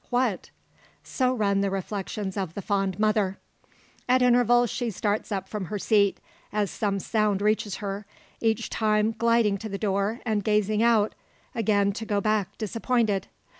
What? So run the reflections of the fond mother. At intervals she starts up from her seat, as some sound reaches her; each time gliding to the door, and gazing out again to go back disappointed.